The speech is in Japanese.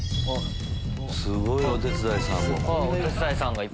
すごいお手伝いさん。